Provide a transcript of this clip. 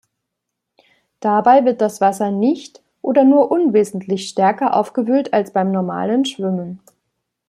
Dabei wird das Wasser nicht oder nur unwesentlich stärker aufgewühlt als beim normalen Schwimmen.